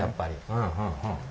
うんうんうん。